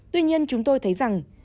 tuy nhiên chúng tôi thấy rằng